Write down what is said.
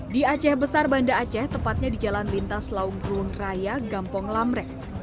di aceh besar banda aceh tepatnya di jalan lintas lawngkun raya gampong lamrek